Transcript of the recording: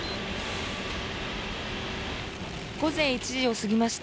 午前１時を過ぎました。